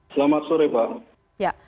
selamat sore pak